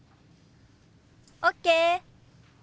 ＯＫ！